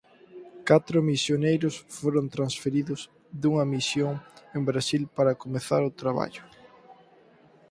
Catro misioneiros foron transferidos dunha misión en Brasil para comezar o traballo.